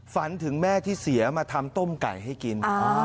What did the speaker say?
ฝันถึงแม่ที่เสียมาทำต้มไก่ให้กิน